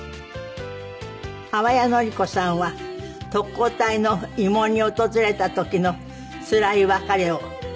淡谷のり子さんは特攻隊の慰問に訪れた時のつらい別れを。